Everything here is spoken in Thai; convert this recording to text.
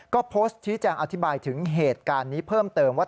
ก็โพสต์ชี้แจงอธิบายถึงเหตุการณ์นี้เพิ่มเติมว่า